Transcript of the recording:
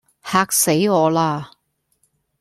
嚇死我啦